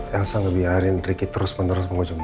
elsa gak biarin ricky terus menerus mengunjungi dia